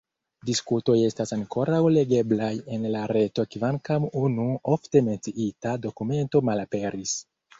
Diskutoj estas ankoraŭ legeblaj en la reto kvankam unu ofte menciita dokumento malaperis.